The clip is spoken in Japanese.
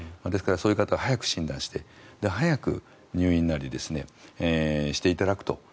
ですからそういう人は早く診断して早く入院なりしていただくと。